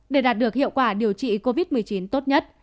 để đạt được hiệu quả điều trị covid một mươi chín tốt nhất